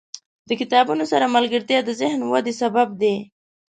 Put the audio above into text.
• د کتابونو سره ملګرتیا، د ذهن ودې سبب دی.